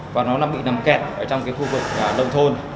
và nó bị nằm kẹt trong cái khu vực nông thôn